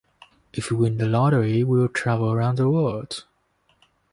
If we win the lottery, we will travel around the world.